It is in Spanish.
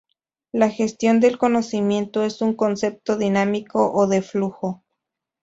La Gestión del Conocimiento es un concepto dinámico o de flujo.